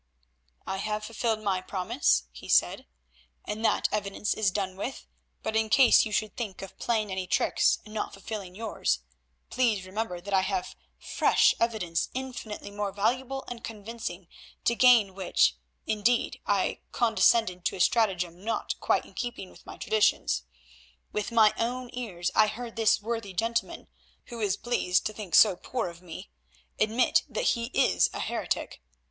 "I have fulfilled my promise," he said, "and that evidence is done with, but in case you should think of playing any tricks and not fulfilling yours, please remember that I have fresh evidence infinitely more valuable and convincing, to gain which, indeed, I condescended to a stratagem not quite in keeping with my traditions. With my own ears I heard this worthy gentleman, who is pleased to think so poorly of me, admit that he is a heretic.